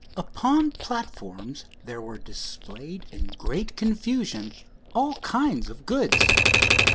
Upon platforms there were displayed in great confusion all kinds of goods.